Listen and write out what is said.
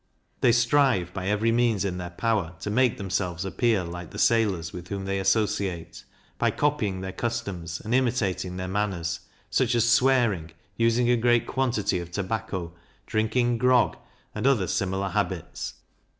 They strive, by every means in their power, to make themselves appear like the sailors with whom they associate, by copying their customs, and imitating their manners; such as swearing, using a great quantity of tobacco, drinking grog, and other similar habits.